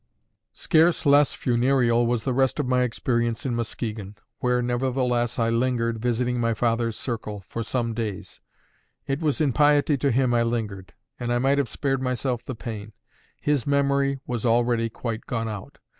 Scarce less funereal was the rest of my experience in Muskegon, where, nevertheless, I lingered, visiting my father's circle, for some days. It was in piety to him I lingered; and I might have spared myself the pain. His memory was already quite gone out.